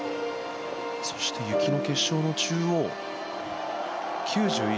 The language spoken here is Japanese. そして雪の結晶の中央。